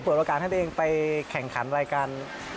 โอกาสให้ตัวเองไปแข่งขันรายการ